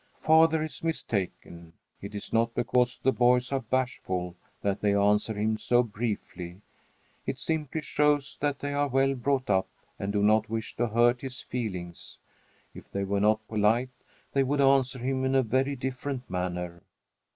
Father is mistaken. It is not because the boys are bashful that they answer him so briefly; it simply shows that they are well brought up and do not wish to hurt his feelings. If they were not polite, they would answer him in a very different manner.